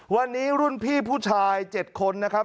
วันนี้รุ่นพี่ผู้ชาย๗คนนะครับ